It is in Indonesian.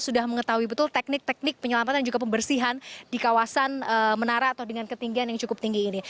sudah mengetahui betul teknik teknik penyelamatan dan juga pembersihan di kawasan menara atau dengan ketinggian yang cukup tinggi ini